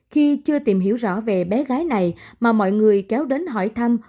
khi chưa tìm hiểu rõ về bé gái này mà mọi người kéo đến hỏi thăm